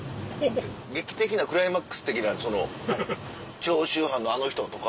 劇的なクライマックス的なその長州藩のあの人とか。